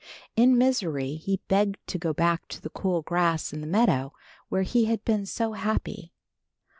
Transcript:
In misery, he begged to go back to the cool grass in the meadow where he had been so happy.